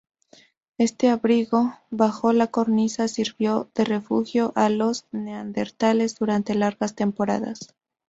Este abrigo bajo la cornisa sirvió de refugio a los neandertales durante largas temporadas.